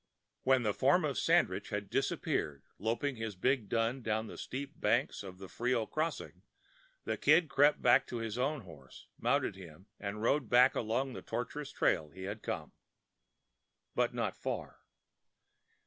When the form of Sandridge had disappeared, loping his big dun down the steep banks of the Frio crossing, the Kid crept back to his own horse, mounted him, and rode back along the tortuous trail he had come. But not far.